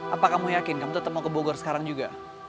apa kamu yakin kamu tetap mau ke bogor sekarang juga